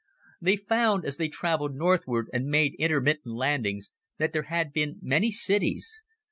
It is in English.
They found, as they traveled northward and made intermittent landings, that there had been many cities.